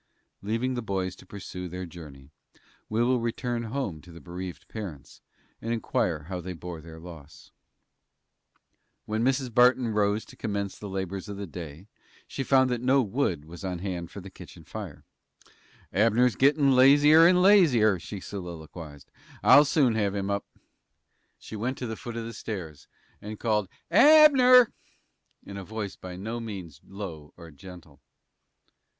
Leaving the boys to pursue their journey, we will return to the bereaved parents, and inquire how they bore their loss. When Mrs. Barton rose to commence the labors of the day, she found that no wood was on hand for the kitchen fire. "Abner's gittin' lazier and lazier," she soliloquized. "I'll soon have him up." She went to the foot of the stairs, and called "Abner!" in a voice by no means low or gentle.